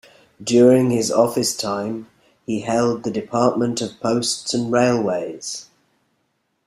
During his office time he held the Department of Posts and Railways.